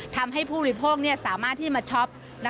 ทำให้ผู้บริโภคสามารถที่มาช็อป